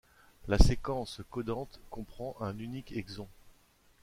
La séquence codante comprend un unique exon.